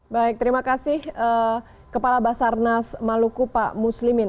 baik terima kasih kepala basarnas maluku pak muslimin